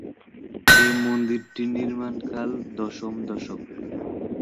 এ মন্দিরটির নির্মাণকাল দশম শতক।